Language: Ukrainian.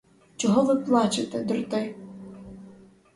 Чого ви плачете, дроти?